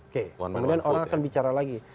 kemudian orang akan bicara lagi